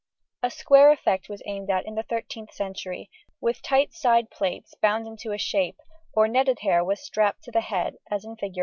A square effect was aimed at in the 13th century with tight side plaits bound into a shape or netted hair was strapped to the head as in Fig.